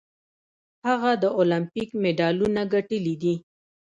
هغه د المپیک مډالونه ګټلي دي.